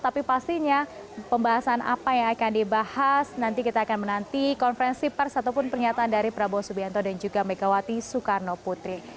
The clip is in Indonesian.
tapi pastinya pembahasan apa yang akan dibahas nanti kita akan menanti konferensi pers ataupun pernyataan dari prabowo subianto dan juga megawati soekarno putri